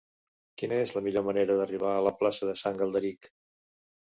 Quina és la millor manera d'arribar a la plaça de Sant Galderic?